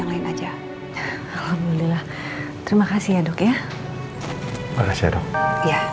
lain aja alhamdulillah terima kasih ya dok ya makasih ya ya